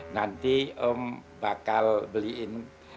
nanti om bakal beliin